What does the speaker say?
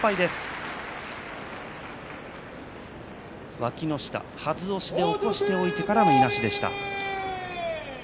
わきの下、はず押しで起こしておいてからのいなしでした。